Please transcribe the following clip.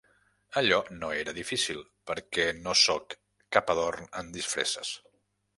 Allò no era difícil, perquè no sóc cap adorm en disfresses.